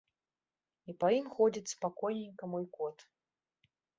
І па ім ходзіць спакойненька мой кот.